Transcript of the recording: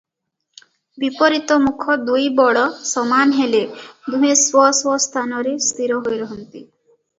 ବିପରୀତମୁଖ ଦୁଇ ବଳ ସମାନ ହେଲେ ଦୁହେଁ ସ୍ୱ ସ୍ୱ ସ୍ଥାନରେ ସ୍ଥିର ହୋଇ ରହନ୍ତି ।